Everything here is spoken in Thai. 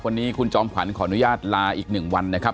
วันนี้คุณจอมขวัญขออนุญาตลาอีก๑วันนะครับ